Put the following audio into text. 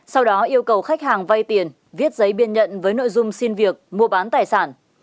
sau đó yêu cầu khách hàng vay tiền viết giấy biên nhận với nội dung xin việc mua bán tài sản